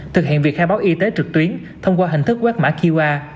thực hiện việc khai báo y tế trực tuyến thông qua hình thức quét mã qr